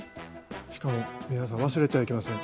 しかも皆さん忘れてはいけません。